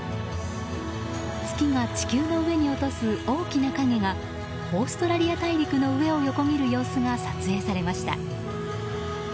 月が地球の上に落とす大きな影がオーストラリア大陸の上を横切る様子が撮影されました。